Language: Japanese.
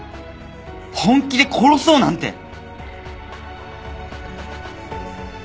本気で殺そうなんて！